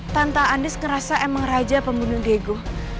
tante andis ngerasa emang raja pembunuh dego